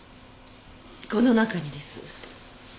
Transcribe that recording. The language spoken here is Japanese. この中にです。